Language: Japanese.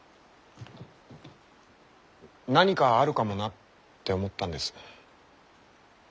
何かあるかもなって思ったんです。